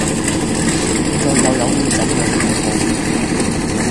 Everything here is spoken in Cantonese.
現在又有了怎樣的進步了，